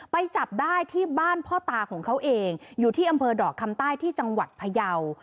ไปจับได้ที่บ้านพ่อตาของเขาเองอยู่ที่อำเภอดอกคำใต้ที่จังหวัดพยาว